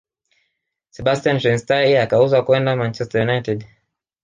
sebastian schweinsteiger akauzwa kwenda uanchester United